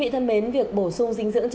thay vì bổ sung đường